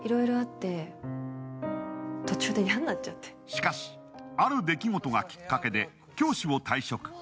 しかし、ある出来事がきっかけで教師を退職。